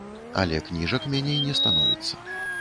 Але кніжак меней не становіцца.